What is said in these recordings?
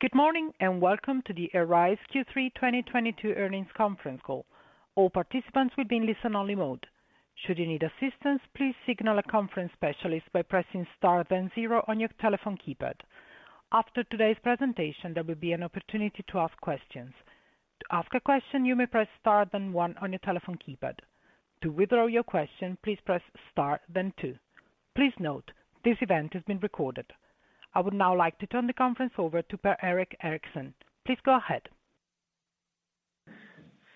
Good morning, and welcome to the Arise Q3 2022 Earnings Conference Call. All participants will be in listen-only mode. Should you need assistance, please signal a conference specialist by pressing Star then Zero on your telephone keypad. After today's presentation, there will be an opportunity to ask questions. To ask a question, you may press star then one on your telephone keypad. To withdraw your question, please press star then two. Please note, this event is being recorded. I would now like to turn the conference over to Per-Erik Eriksson. Please go ahead.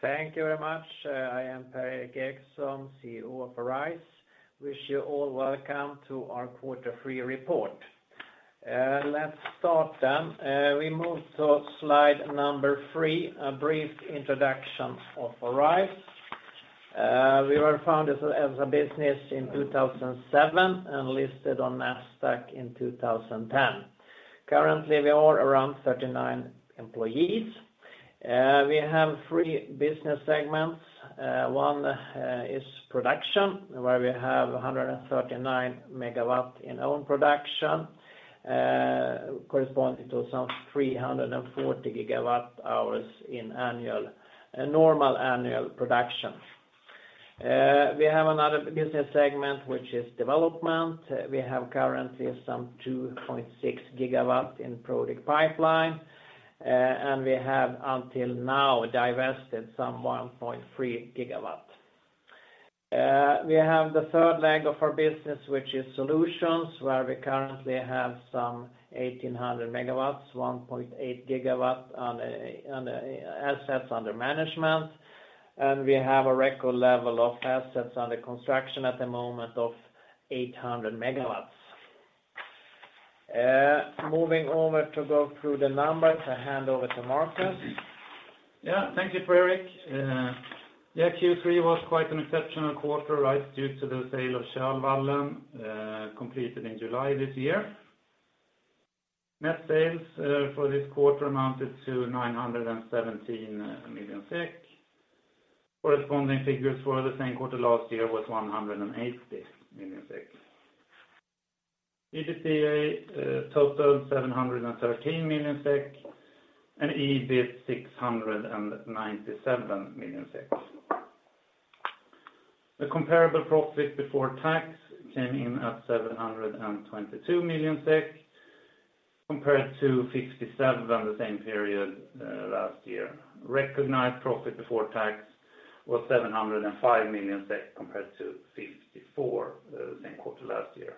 Thank you very much. I am Per-Erik Eriksson, CEO of Arise. Wish you all welcome to our quarter three report. Let's start then. We move to Slide 3, a brief introduction of Arise. We were founded as a business in 2007 and listed on Nasdaq in 2010. Currently, we are around 39 employees. We have three business segments. One is production, where we have 139 MW in own production, corresponding to some 340 GWh in normal annual production. We have another business segment, which is development. We have currently some 2.6 GW in project pipeline, and we have until now divested some 1.3 GW. We have the third leg of our business, which is Solutions, where we currently have some 1,800 MW, 1.8 GW on assets under management. We have a record level of assets under construction at the moment of 800 MW. Moving over to go through the numbers, I hand over to Markus. Yeah. Thank you, Per-Erik. Yeah, Q3 was quite an exceptional quarter, right, due to the sale of Kölvallen, completed in July this year. Net sales for this quarter amounted to 917 million SEK. Corresponding figures for the same quarter last year was 180 million SEK. EBITDA total 713 million SEK, and EBIT, 697 million SEK. The comparable profit before tax came in at 722 million SEK compared to 57 million the same period last year. Recognized profit before tax was 705 million SEK compared to 54 million the same quarter last year.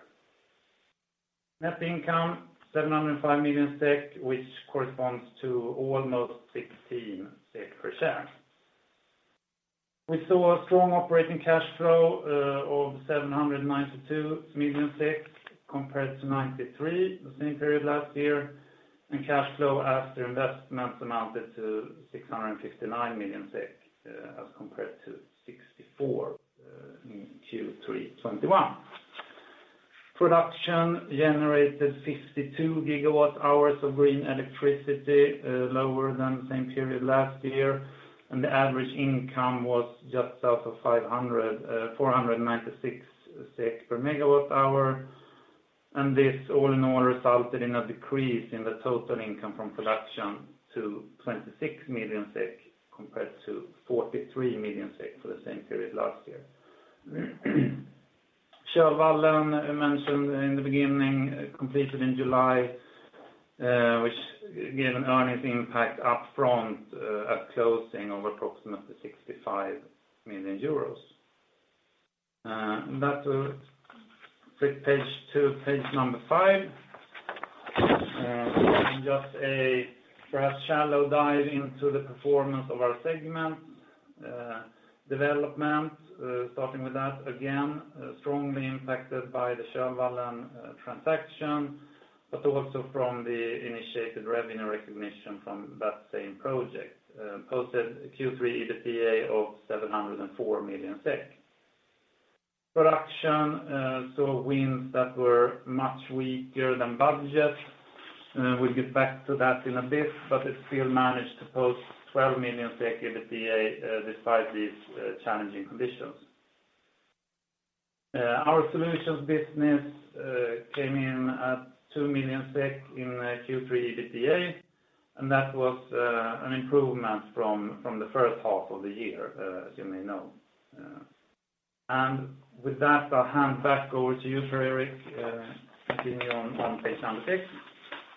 Net income, 705 million SEK, which corresponds to almost 16 SEK per share. We saw a strong operating cash flow of 792 million SEK compared to 93 the same period last year, and cash flow after investments amounted to 659 million SEK as compared to 64 in Q3 2021. Production generated 52 GWh of green electricity, lower than the same period last year, and the average income was just south of 500, 496 SEK per MWh. This all in all resulted in a decrease in the total income from production to 26 million SEK compared to 43 million SEK for the same period last year. Kölvallen, I mentioned in the beginning, completed in July, which gave an earnings impact up-front at closing of approximately 65 million euros. That will flip page to Page 5. Just a perhaps shallow dive into the performance of our segments. Development, starting with that, again, strongly impacted by the Kölvallen transaction, but also from the initiated revenue recognition from that same project, posted a Q3 EBITDA of 704 million. Production saw winds that were much weaker than budget. We'll get back to that in a bit, but it still managed to post 12 million EBITDA, despite these challenging conditions. Our Solutions business came in at 2 million SEK in Q3 EBITDA, and that was an improvement from the first half of the year, as you may know. With that, I'll hand back over to you, Per-Erik, continue on Page 6.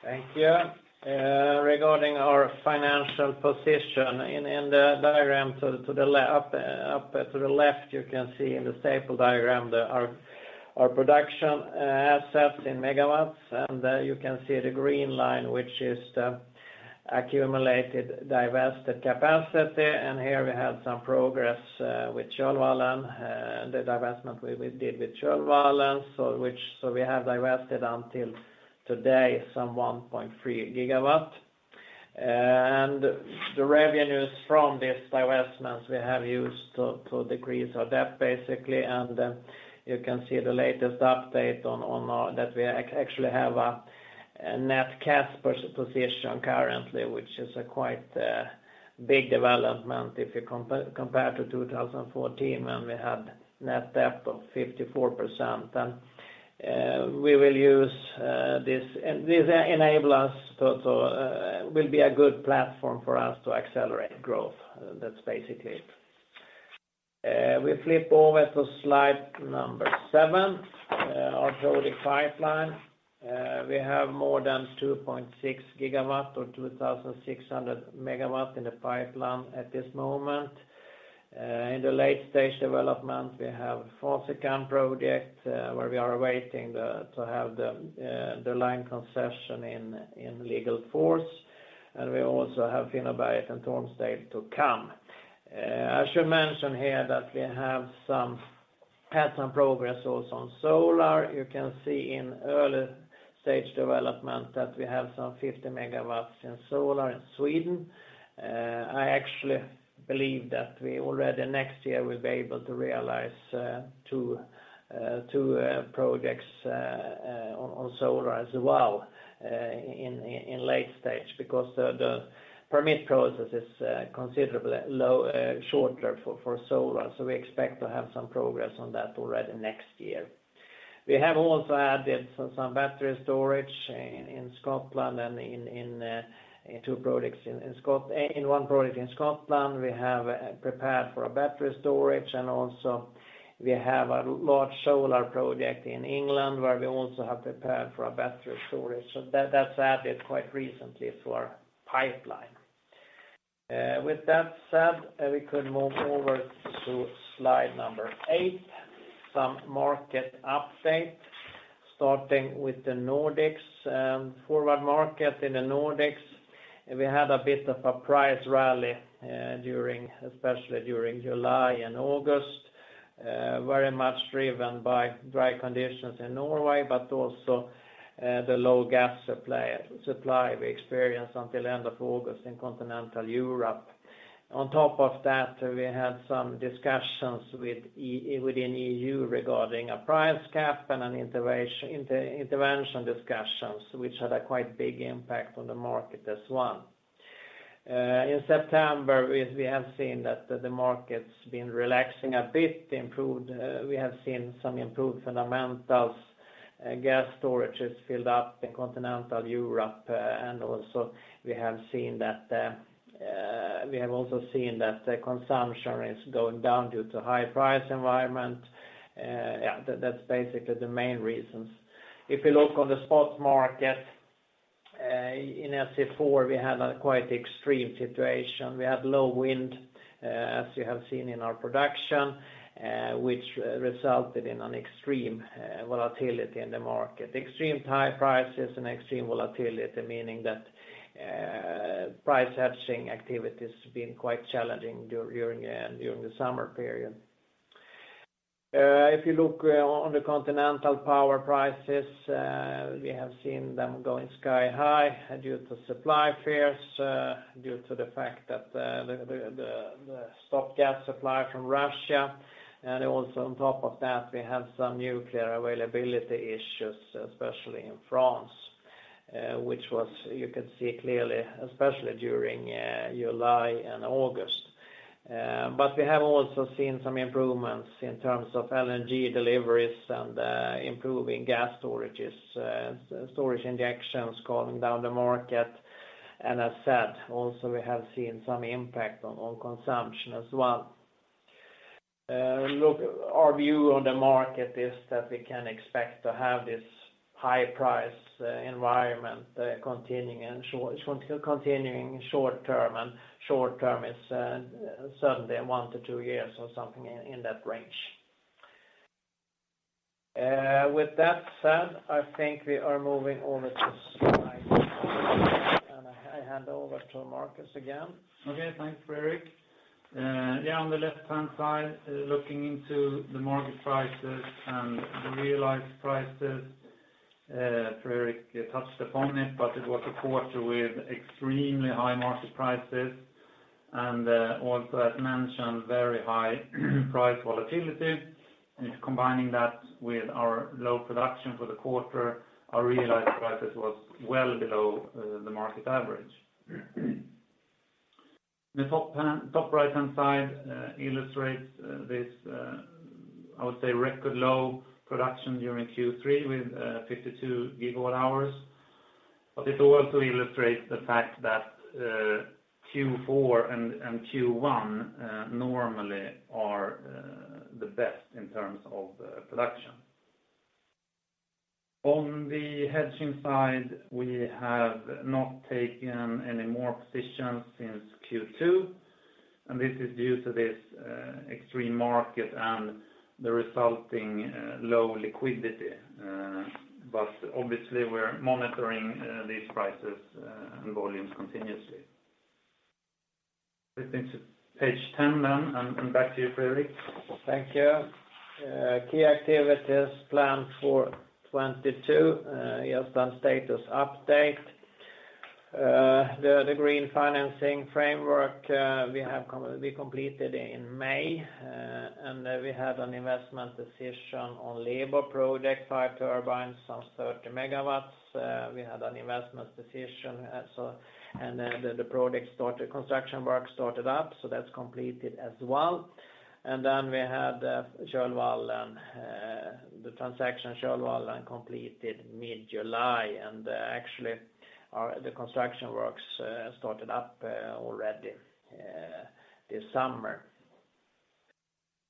Thank you. Regarding our financial position, in the diagram to the left, you can see in the staple diagram our production assets in megawatts. You can see the green line, which is the accumulated divested capacity. Here we had some progress with Kölvallen, the divestment we did with Kölvallen. We have divested until today some 1.3 gigawatt. The revenues from this divestments we have used to decrease our debt, basically. You can see the latest update that we actually have a net cash position currently, which is quite a big development if you compare to 2014, when we had net debt of 54%. We will use this. This will be a good platform for us to accelerate growth. That's basically it. We flip over to Slide 7, our project pipeline. We have more than 2.6 gigawatts or 2,600 MW in the pipeline at this moment. In the late-stage development, we have Fasikan project where we are awaiting the line concession in legal force. We also have Finnåberget and Tormsdale to come. I should mention here that we have had some progress also on solar. You can see in early stage development that we have some 50 MW in solar in Sweden. I actually believe that we already next year will be able to realize two projects on solar as well in late stage because the permit process is considerably shorter for solar. We expect to have some progress on that already next year. We have also added some battery storage in Scotland and in one project in Scotland, we have prepared for a battery storage. We have a large solar project in England, where we also have prepared for a battery storage. That's added quite recently to our pipeline. With that said, we could move over to Slide 8, some market update, starting with the Nordics forward market in the Nordics. We had a bit of a price rally, during, especially during July and August, very much driven by dry conditions in Norway, but also, the low gas supply we experienced until end of August in continental Europe. On top of that, we had some discussions within EU regarding a price cap and intervention discussions, which had a quite big impact on the market as one. In September, we have seen that the market's been relaxing a bit, improved. We have seen some improved fundamentals. Gas storage is filled up in continental Europe, and also we have seen that the consumption is going down due to high price environment. Yeah, that's basically the main reasons. If you look on the spot market, in SE4, we had a quite extreme situation. We had low wind, as you have seen in our production, which resulted in an extreme volatility in the market. Extreme high prices and extreme volatility, meaning that price hedging activities have been quite challenging during the summer period. If you look on the continental power prices, we have seen them going sky high due to supply fears, due to the fact that the spot gas supply from Russia. Also on top of that, we have some nuclear availability issues, especially in France, which you can see clearly, especially during July and August. We have also seen some improvements in terms of LNG deliveries and improving gas storage injections, calming down the market. As said, also we have seen some impact on consumption as well. Look, our view on the market is that we can expect to have this high price environment continuing short-term, and short-term is certainly one to two years or something in that range. With that said, I think we are moving over to Slide 9, and I hand over to Markus again. Okay, thanks, Per-Erik. Yeah, on the left-hand side, looking into the market prices and the realized prices, Fredrik touched upon it, but it was a quarter with extremely high market prices, and also as mentioned, very high price volatility. Combining that with our low production for the quarter, our realized prices was well below the market average. The top right-hand side illustrates this, I would say, record low production during Q3 with 52 GWh. It also illustrates the fact that Q4 and Q1 normally are the best in terms of production. On the hedging side, we have not taken any more positions since Q2, and this is due to this extreme market and the resulting low liquidity. Obviously we're monitoring these prices and volumes continuously. Flipping to Page 10 then, and back to you, Per-Erik. Thank you. Key activities planned for 2022, just a status update. The green financing framework we completed in May, and we had an investment decision on Lebo project, 5 turbines, some 30 MW. The project started, construction work started up, so that's completed as well. We had Kölvallen, the transaction Kölvallen completed mid-July. And actually, the construction works started up already this summer.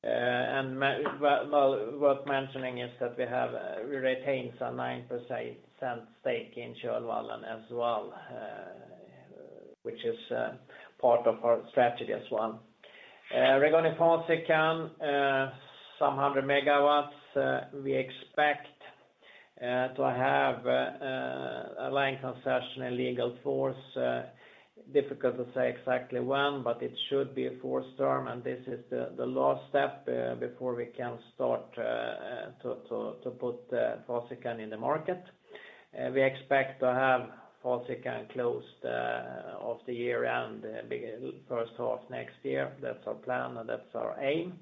And worth mentioning is that we have retained some 9% stake in Kölvallen as well which is part of our strategy as well. Regarding Fasikan, some 100 MW, we expect to have a line concession and legal force. Difficult to say exactly when, but it should be for storm, and this is the last step before we can start to put Fasikan in the market. We expect to have Fasikan closed of the year-end first half next year. That's our plan, and that's our aim.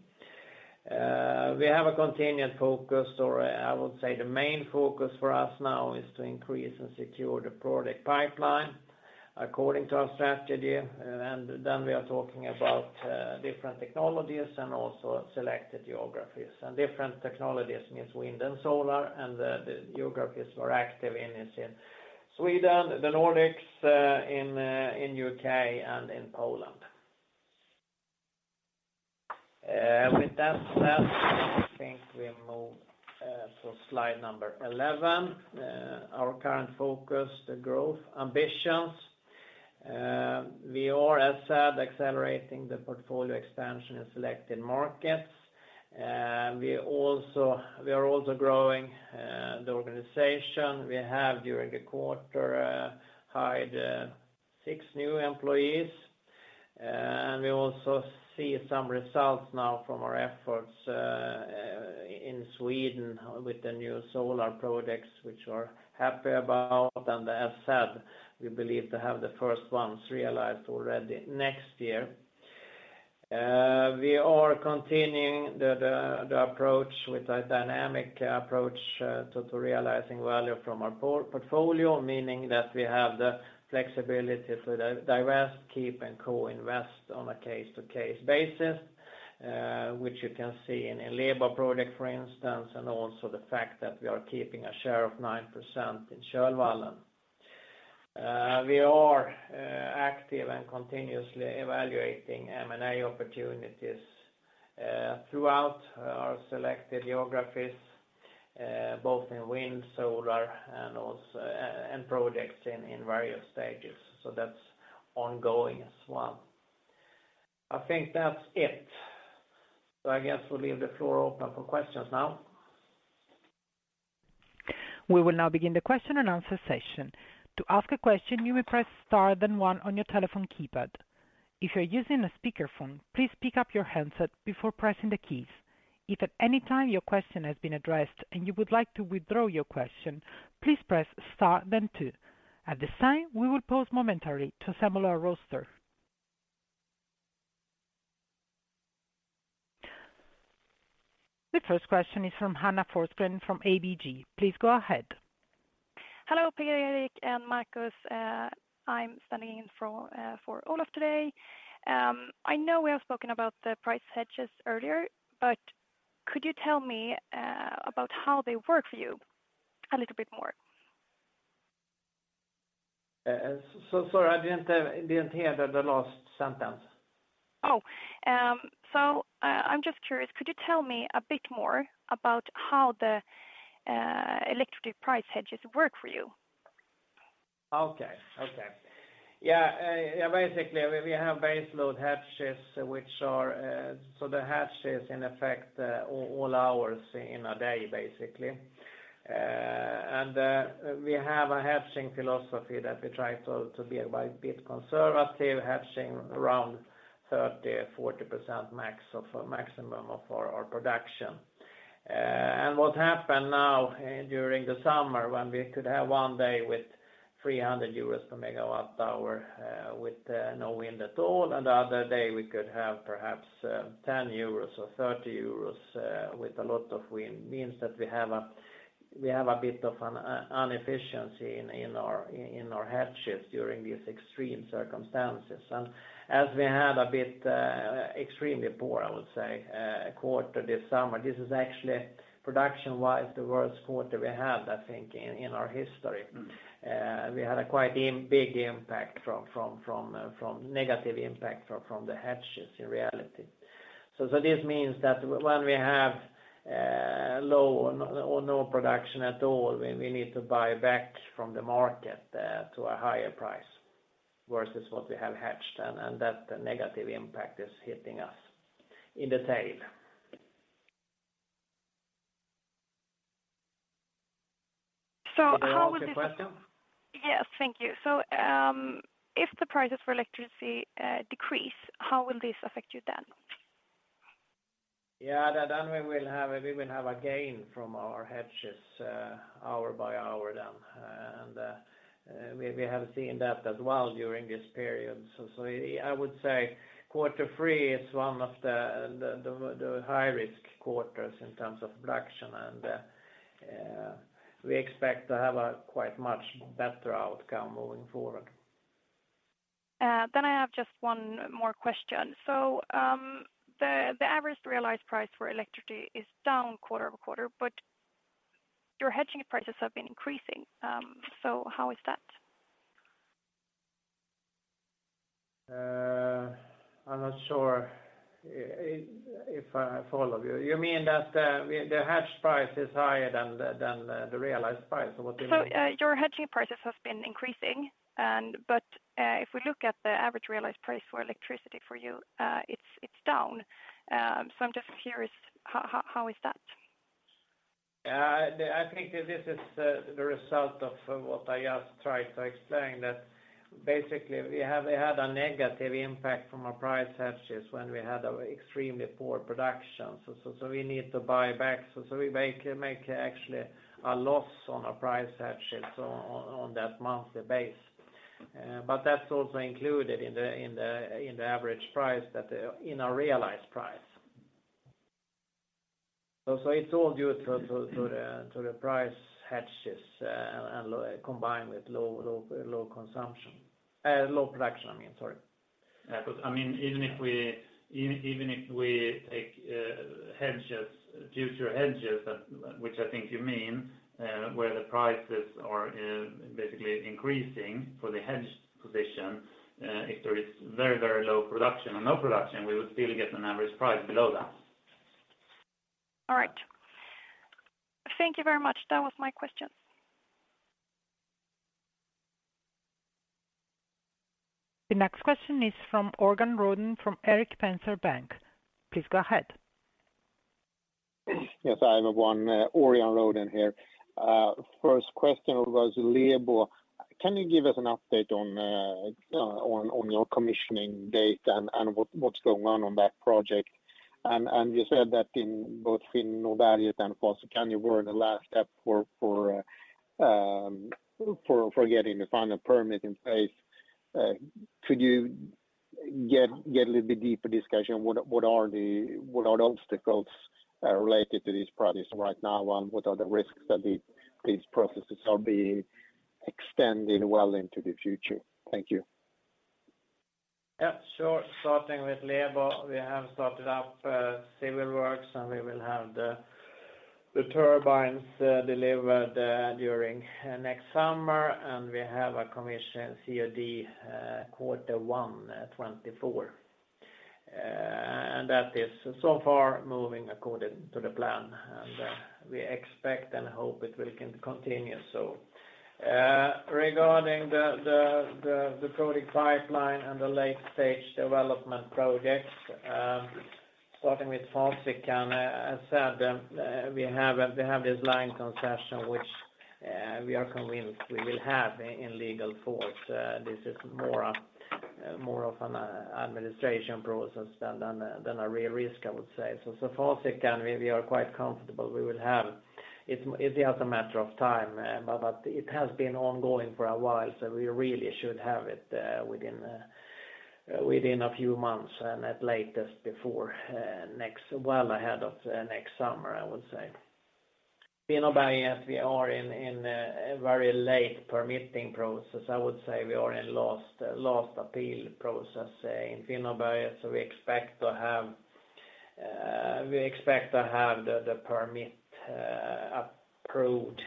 We have continued focus or I would say, the main focus for us now is to increase and secure the project pipeline according to our strategy. And then we are talking about different technologies and also selected geographies. And different technologies means wind and solar and the geographies we're active in is in Sweden, the Nordics in U.K and in Poland. With that, I think we'll move to Slide 11. Our current focus growth ambitions. We are, as said, accelerating the portfolio expansion in selected markets. We are also growing the organization. We have, during the quarter, hired 6 new employees. And we also see some result now from our efforts in Sweden with the new solar projects, which are happy about. And as said, we believe to have the first ones realized already next year. We are continuing the approach with a dynamic approach to realizing value from our portfolio, meaning that we have the flexibility to divest, keep and co-invest on a case-to-case basis, which you can see in Lebo project, for instance, and also the fact that we are keeping a share of 9% in Kölvallen. We are active and continuously evaluating M&A opportunities throughout our selected geographies, both in wind, solar and projects in various stages. So that's ongoing as well. I think that's it. So I guess we'll leave the floor open for questions now. Hello, Per-Erik and Markus. I'm standing in for Olof today. I know we have spoken about the price hedges earlier, but could you tell me about how they work for you a little bit more? Sorry, I didn't hear the last sentence. I'm just curious, could you tell me a bit more about how the electricity price hedges work for you? Basically, we have base load hedges which are in effect all hours in a day, basically. We have a hedging philosophy that we try to be a bit conservative, hedging around 30%-40% max of maximum of our production. What happened now during the summer when we could have one day with 300 euros per megawatt hour with no wind at all, and the other day we could have perhaps 10 euros or 30 euros with a lot of wind means that we have a bit of an inefficiency in our hedges during these extreme circumstances. We had a bit extremely poor, I would say, quarter this summer. This is actually production-wise the worst quarter we had, I think, in our history. We had a quite big impact from negative impact from the hedges in reality. This means that when we have low or no production at all, when we need to buy back from the market to a higher price versus what we have hedged, and that negative impact is hitting us in the tail. How would this? Could you repeat the question? Yes. Thank you. If the prices for electricity decrease, how will this affect you then? Yeah. Then we will have a gain from our hedges hour by hour then. We have seen that as well during this period. I would say quarter three is one of the high-risk quarters in terms of production and we expect to have a quite much better outcome moving forward. I have just one more question. The average realized price for electricity is down quarter-over-quarter, but your hedging prices have been increasing. How is that? I'm not sure if I follow you. You mean that the hedge price is higher than the realized price or what do you mean? Your hedging prices have been increasing, but if we look at the average realized price for electricity for you, it's down. I'm just curious, how is that? I think that this is the result of what I just tried to explain, that basically we have had a negative impact from our price hedges when we had extremely poor production. We need to buy back. We make actually a loss on our price hedges on that monthly basis. That's also included in the average price that in our realized price. It's all due to the price hedges and combined with low consumption. Low production, I mean, sorry. Yeah, because I mean, even if we take hedges, future hedges, which I think you mean, where the prices are basically increasing for the hedge position, if there is very low production or no production, we would still get an average price below that. All right. Thank you very much. That was my questions. The next question is from Örjan Rodén from Erik Penser Bank. Please go ahead. Yes, I have one, Örjan Rodén here. First question was Lebo. Can you give us an update on your commissioning date and what is going on on that project? You said that in both Finnåberget and Fäbodliden you were in the last step for getting the final permit in place. Could you give a little bit deeper discussion, what are the obstacles related to these projects right now? What are the risks that these processes are being extended well into the future? Thank you. Yeah, sure. Starting with Lebo, we have started up civil works, and we will have the turbines delivered during next summer, and we have a commercial COD quarter one 2024. That is so far moving according to the plan, and we expect and hope it will continue. Regarding the project pipeline and the late-stage development projects, starting with Fäbodliden, as said, we have this final concession which we are convinced we will have in legal force. This is more of an administration process than a real risk, I would say. For Fäbodliden we are quite comfortable we will have. It's just a matter of time, but it has been ongoing for a while, so we really should have it within a few months and at latest before next, well ahead of next summer, I would say. Finnåberget, as we are in a very late permitting process, I would say we are in last appeal process in Finnåberget. We expect to have the permit approved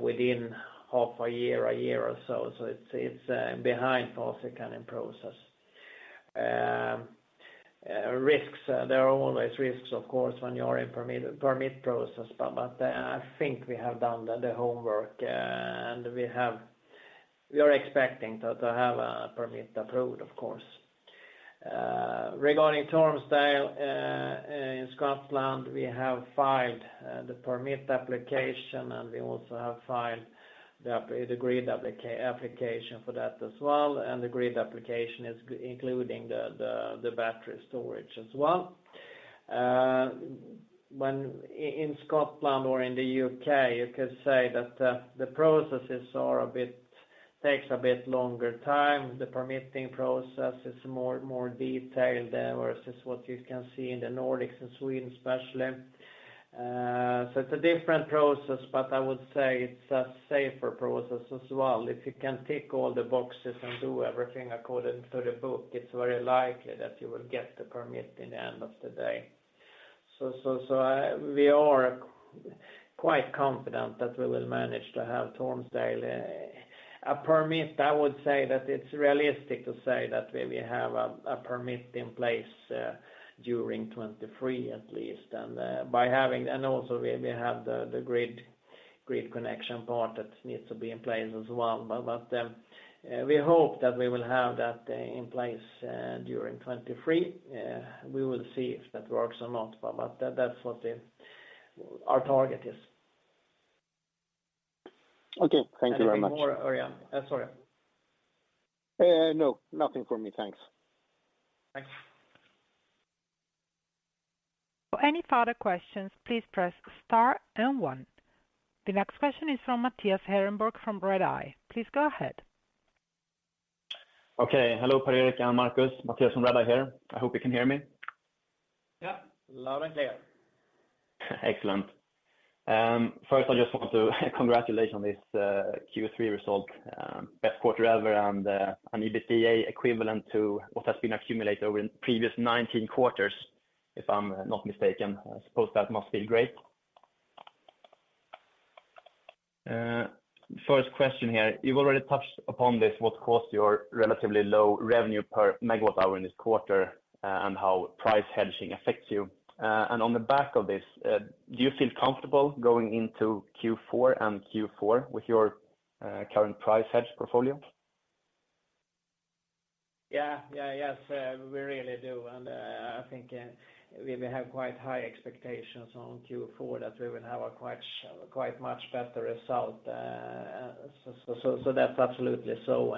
within half a year, a year or so. It's behind Fäbodliden in process. Risks, there are always risks of course, when you are in permit process, but I think we have done the homework, and we are expecting to have a permit approved, of course. Regarding Tormsdale in Scotland, we have filed the permit application, and we also have filed the grid application for that as well, and the grid application is including the battery storage as well. When in Scotland or in the UK, you could say that the processes take a bit longer time. The permitting process is more detailed versus what you can see in the Nordics and Sweden especially. It's a different process, but I would say it's a safer process as well. If you can tick all the boxes and do everything according to the book, it's very likely that you will get the permit in the end of the day. We are quite confident that we will manage to have Tormsdale a permit. I would say that it's realistic to say that we will have a permit in place during 2023 at least. Also we have the grid connection part that needs to be in place as well. We hope that we will have that in place during 2023. We will see if that works or not, but that's what our target is. Okay. Thank you very much. Anything more, Örjan? Sorry. No, nothing for me. Thanks. Thanks. For any further questions, please press star and one. The next question is from Mattias Ehrenborg from Redeye. Please go ahead. Okay. Hello, Per-Erik and Markus. Mattias from Redeye here. I hope you can hear me. Yeah, loud and clear. Excellent. First I just want to congratulate on this Q3 result, best quarter ever and an EBITDA equivalent to what has been accumulated over in previous 19 quarters, if I'm not mistaken. I suppose that must feel great. First question here, you've already touched upon this, what caused your relatively low revenue per megawatt hour in this quarter, and how price hedging affects you. On the back of this, do you feel comfortable going into Q4 and Q1 with your current price hedge portfolio? Yes, we really do. I think we will have quite high expectations on Q4 that we will have a quite much better result. That's absolutely so.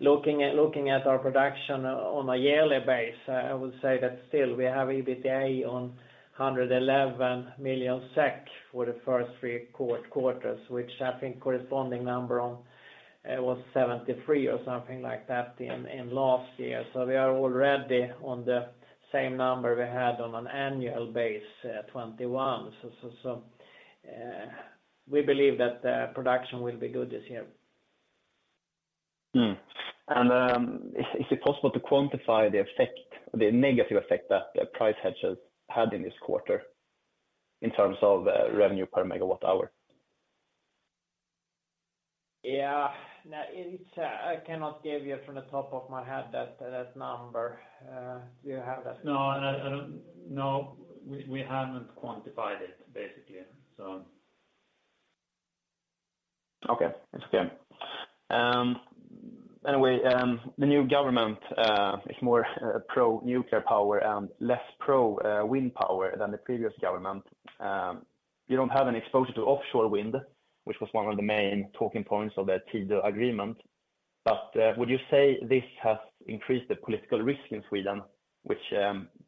Looking at our production on a yearly basis, I would say that still we have EBITDA of 111 million SEK for the first three quarters, which I think corresponding number was 73 or something like that in last year. We are already on the same number we had on an annual basis, 2021. We believe that production will be good this year. Is it possible to quantify the effect, the negative effect that the price hedges had in this quarter in terms of revenue per megawatt hour? Yeah. Now it's, I cannot give you from the top of my head that number. Do you have that? No, I don't. No, we haven't quantified it, basically. So. Okay, it's okay. Anyway, the new government is more pro-nuclear power and less pro wind power than the previous government. You don't have any exposure to offshore wind, which was one of the main talking points of the Tidö Agreement. Would you say this has increased the political risk in Sweden, which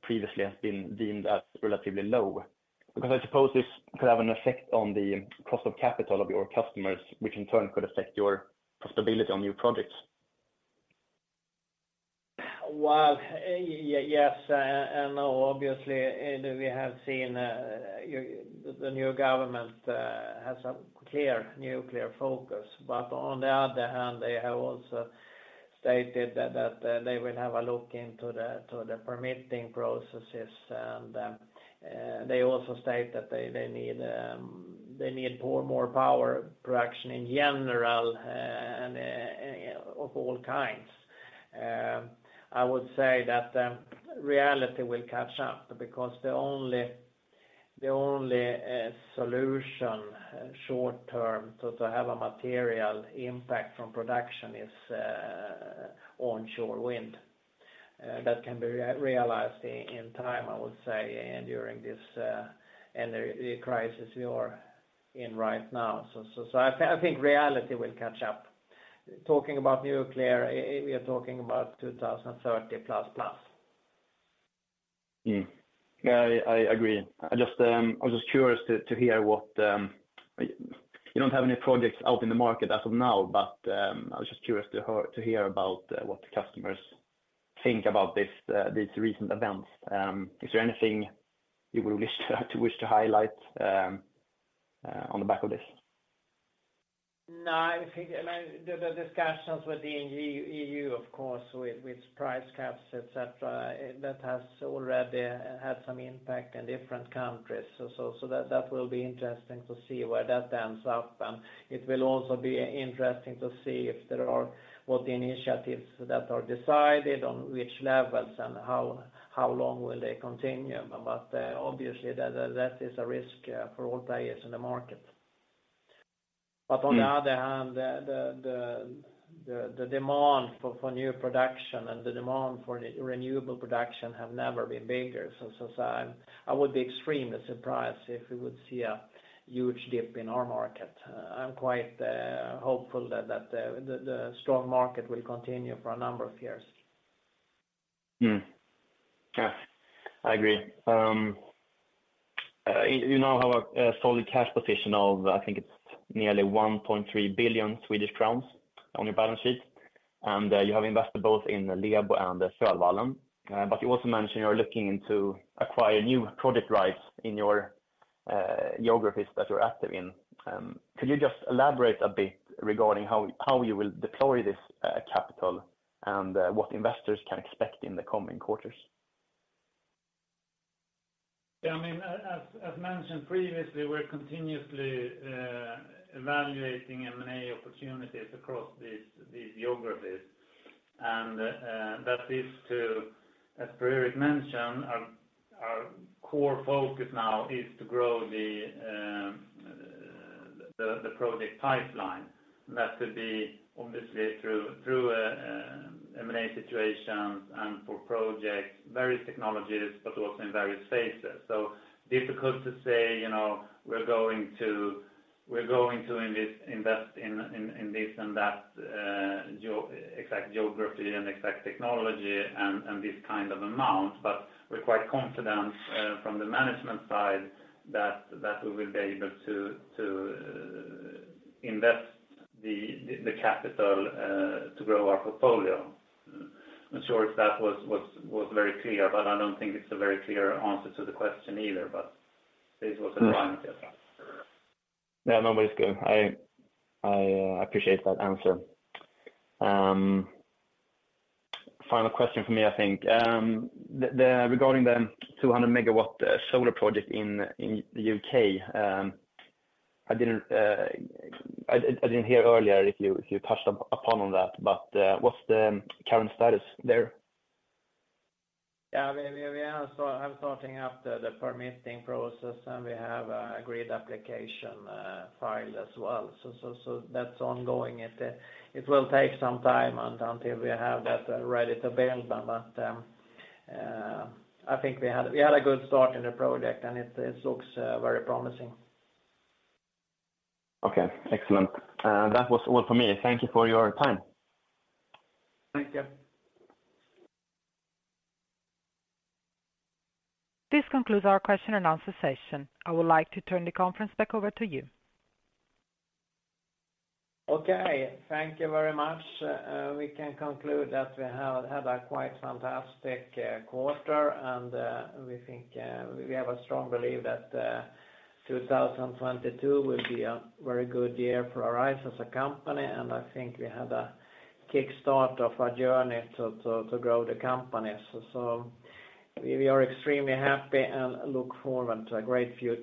previously has been deemed as relatively low? Because I suppose this could have an effect on the cost of capital of your customers, which in turn could affect your profitability on new projects. Well, yes, obviously we have seen the new government has a clear nuclear focus. On the other hand, they have also stated that they will have a look into the permitting processes and they also state that they need more power production in general and of all kinds. I would say that reality will catch up because the only solution short-term to have a material impact from production is onshore wind that can be realized in time, I would say, and during this energy crisis we are in right now. I think reality will catch up. Talking about nuclear, we are talking about 2030 plus. Yeah, I agree. I was just curious to hear what you don't have any projects out in the market as of now, but I was just curious to hear about what the customers think about these recent events. Is there anything you would wish to highlight on the back of this? No, I think, I mean, the discussions with the EU, of course, with price caps, et cetera, that has already had some impact in different countries. That will be interesting to see where that ends up. It will also be interesting to see if there are what the initiatives that are decided on which levels and how long they will continue. Obviously, that is a risk for all players in the market. But on the other hand, the demand for new production and the demand for renewable production have never been bigger. I would be extremely surprised if we would see a huge dip in our market. I'm quite hopeful that the strong market will continue for a number of years. Yeah, I agree. You now have a solid cash position of, I think, nearly 1.3 billion Swedish crowns on your balance sheet, and you have invested both in Lebo and Kölvallen. You also mentioned you're looking into acquiring new project rights in your geographies that you're active in. Could you just elaborate a bit regarding how you will deploy this capital and what investors can expect in the coming quarters? Yeah, I mean, as mentioned previously, we're continuously evaluating M&A opportunities across these geographies. That is to, as Per-Erik mentioned, our core focus now is to grow the project pipeline. That could be obviously through M&A situations and for projects, various technologies, but also in various phases. Difficult to say, you know, we're going to invest in this and that exact geography and exact technology and this kind of amount. We're quite confident from the management side that we will be able to invest the capital to grow our portfolio. I'm not sure if that was very clear, but I don't think it's a very clear answer to the question either, but this was a try I guess. Yeah, no, it's good. I appreciate that answer. Final question for me, I think. Regarding the 200 MW solar project in the U.K., I didn't hear earlier if you touched upon that, but what's the current status there? Yeah, we are starting up the permitting process, and we have a grid application filed as well. That's ongoing. It will take some time and until we have that ready to build. I think we had a good start in the project, and it looks very promising. Okay, excellent. That was all for me. Thank you for your time. Thank you. This concludes our question and answer session. I would like to turn the conference back over to you. Okay, thank you very much. We can conclude that we have had a quite fantastic quarter, and we think we have a strong belief that 2022 will be a very good year for Arise as a company, and I think we have a kickstart of our journey to grow the company. We are extremely happy and look forward to a great future.